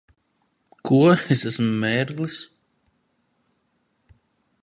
Ko? Es esmu mērglis?